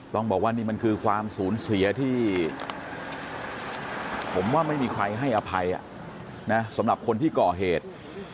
ต้องบอกว่านี่มันคือความสูญเสียที่ผมว่าไม่มีใครให้อภัยนะสำหรับคนที่ก่อเหตุ